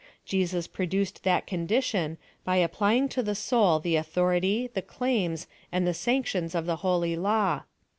Jesus produced that condition by applying to the soul the authority, the claims, and the sanctions of thft holv law.